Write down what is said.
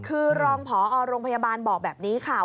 คือรองผอโรงพยาบาลบอกแบบนี้ค่ะ